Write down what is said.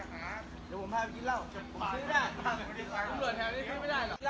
กลับมาเมื่อเวลาเมื่อเวลาเมื่อเวลา